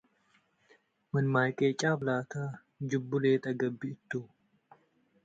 ምን ማይ ቄጫብ ላተ ጅቡ ሌጠ ገብእ እቱ ።